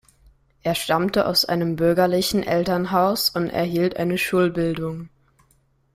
Er stammte aus einem bürgerlichen Elternhaus und erhielt eine Schulbildung.